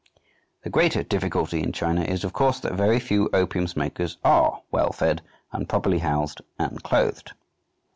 The greater difficulty in China is, of course, that very few opium smokers are well fed and properly housed and clothed.